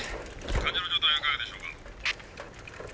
患者の状態はいかがですか？